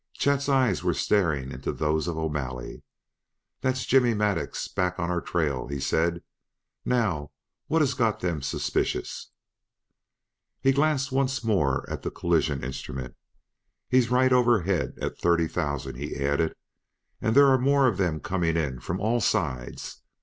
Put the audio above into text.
Chet's eyes were staring into those of O'Malley. "That's Jimmy Maddux back on our trail," he said. "Now, what has got them suspicious?" He glanced once at the collision instrument. "He's right overhead at thirty thousand," he added; "and there are more of them coming in from all sides.